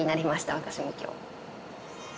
私も今日。